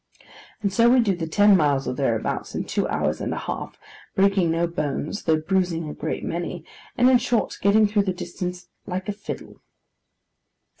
And so we do the ten miles or thereabouts in two hours and a half; breaking no bones, though bruising a great many; and in short getting through the distance, 'like a fiddle.